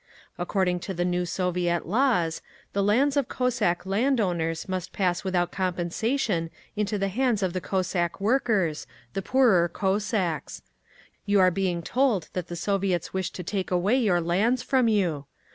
According to the new Soviet laws, the lands of Cossack landowners must pass without compensation into the hands of the Cossack workers, the poorer Cossacks. You are being told that the Soviets wish to take away your lands from you.